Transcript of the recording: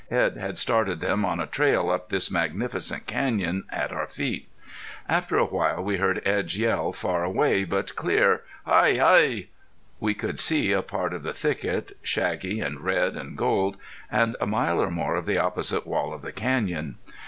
Edd had started them on a trail up this magnificent canyon at our feet. After a while we heard Edd's yell, far away, but clear: "Hi! Hi!" We could see a part of the thicket, shaggy and red and gold; and a mile or more of the opposite wall of the canyon.